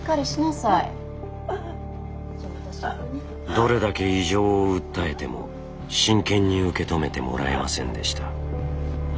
どれだけ異常を訴えても真剣に受け止めてもらえませんでした。